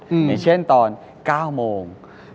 ในเช่นตอน๙โมง๑๕